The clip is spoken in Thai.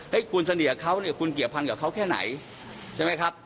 ให้คุณเสนียเขาเนี่ยคุณเกี่ยวพันกับเขาแค่ไหนใช่ไหมครับ